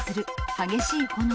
激しい炎。